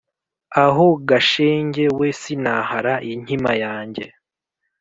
aho ga shenge we sinahara inkima yanjye